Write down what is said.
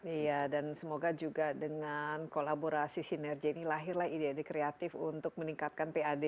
iya dan semoga juga dengan kolaborasi sinergi ini lahirlah ide ide kreatif untuk meningkatkan pad